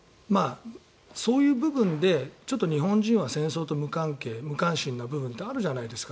そういう部分でちょっと日本人は戦争と無関係無関心な部分ってあるじゃないですか。